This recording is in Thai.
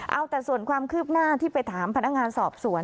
เอาแต่ส่วนความคืบหน้าที่ไปถามพนักงานสอบสวน